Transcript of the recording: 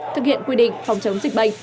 thực hiện quy định phòng chống dịch